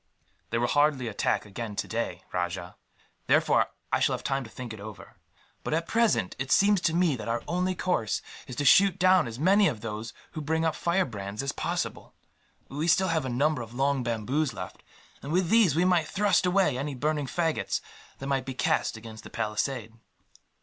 "They will hardly attack again today, Rajah; therefore I shall have time to think it over. But at present, it seems to me that our only course is to shoot down as many of those who bring up firebrands as possible. We have still a number of long bamboos left, and with these we might thrust away any burning faggots that might be cast against the palisade."